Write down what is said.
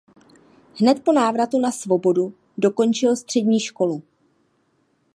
Hned po návratu na svobodu dokončil střední školu.